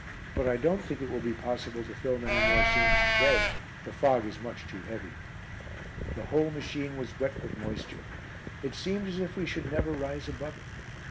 "But I don't think it will be possible to film any more scenes to day; the fog is much too heavy." The whole machine was wet with moisture. It seemed as if we should never rise above it.